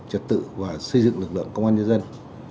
trật tự và xây dựng lực lượng công an nhân dân